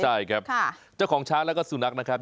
ใช่ครับเจ้าของช้างแล้วก็สุนัขนะครับ